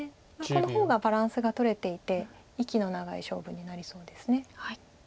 この方がバランスがとれていて息の長い勝負になりそうです。